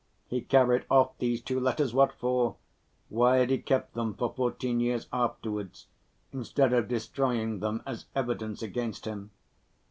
He carried off these two letters—what for? Why had he kept them for fourteen years afterwards instead of destroying them as evidence against him?